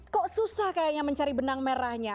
kok susah kayaknya mencari benang merahnya